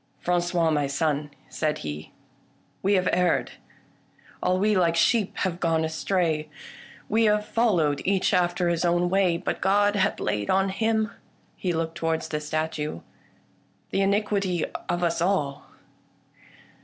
" Fran cois, my son," said he, " we have erred. All we like sheep have gone astray ; we have followed each after his own way, but God hath laid on Him "— he looked towards the statue —" the iniquity of us all."